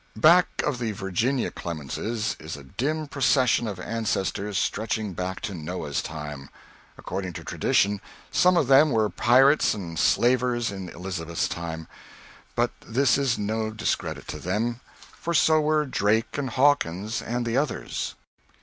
Back of the Virginia Clemenses is a dim procession of ancestors stretching back to Noah's time. According to tradition, some of them were pirates and slavers in Elizabeth's time. But this is no discredit to them, for so were Drake and Hawkins and the others.